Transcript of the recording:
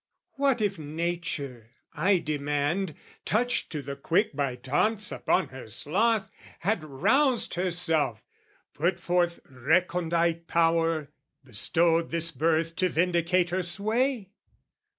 What if Nature, I demand, Touched to the quick by taunts upon her sloth, Had roused herself, put forth recondite power, Bestowed this birth to vindicate her sway?